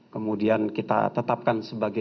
kemudian kita tetapkan sebagai